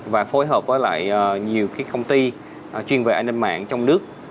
và phối hợp với lại nhiều cái công ty chuyên về an ninh mạng trong nước